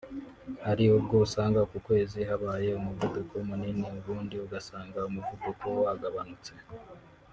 hari ubwo usanga uku kwezi habaye umuvuduko munini ubundi ugasanga umuvuduko wagabanutse